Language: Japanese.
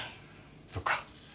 そっか